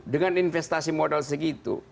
dengan investasi modal segitu